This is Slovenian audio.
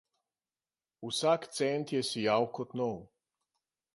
Vsak cent je sijal kot nov.